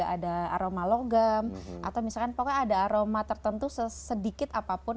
ada aroma logam atau misalkan pokoknya ada aroma tertentu sedikit apapun